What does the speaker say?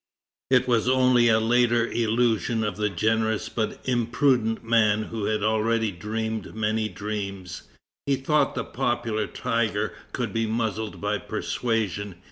It was only a later illusion of the generous but imprudent man who had already dreamed many dreams. He thought the popular tiger could be muzzled by persuasion.